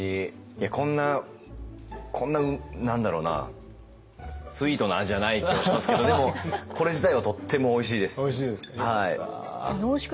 いやこんなこんな何だろうなスイートな味じゃない気はしますけどでもこれ自体はとってもおいしいです。